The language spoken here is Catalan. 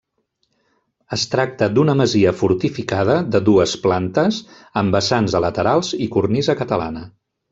Es tracta d’una masia fortificada de dues plantes amb vessants a laterals i cornisa catalana.